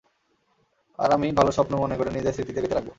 আর আমি ভাল স্বপ্ন মনে করে নিজের স্মৃতিতে গেঁতে রাখবো।